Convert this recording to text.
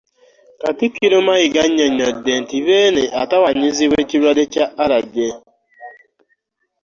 Katikkiro Mayiga annyonnyodde nti Beene atawaanyizibwa ekirwadde kya ‘Allergy'